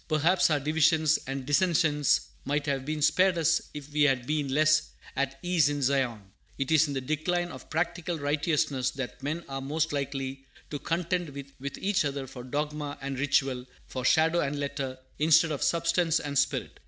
Perhaps our divisions and dissensions might have been spared us if we had been less "at ease in Zion." It is in the decline of practical righteousness that men are most likely to contend with each other for dogma and ritual, for shadow and letter, instead of substance and spirit.